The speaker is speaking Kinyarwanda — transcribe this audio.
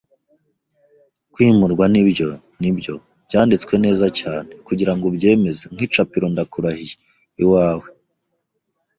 'Kwimurwa' - nibyo, nibyo? Byanditswe neza cyane, kugirango ubyemeze; nk'icapiro, ndakurahiye. Iwawe